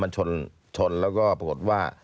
มันชนแล้วก็ปรากฏว่า